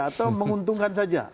atau menguntungkan saja